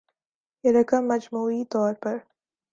یہ رقم مجموعی طور پر